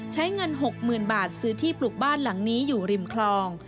ใช้เงิน๖๐๐๐บาทซื้อที่ปลูกบ้านหลังนี้อยู่ริมคลอง